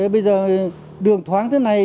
bây giờ đường thoáng thế này